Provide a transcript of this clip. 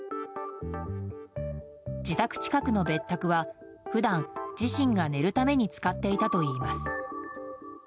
自宅近くの別宅は普段、自身が寝るために使っていたといいます。